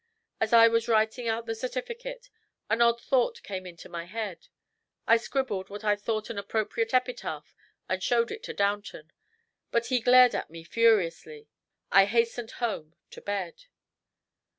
As I was writing out the certificate, an odd thought came into my head. I scribbled what I thought an appropriate epitaph and showed it to Downton, but he glared at me furiously. I hastened home to bed.